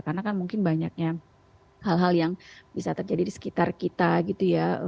karena kan mungkin banyaknya hal hal yang bisa terjadi di sekitar kita gitu ya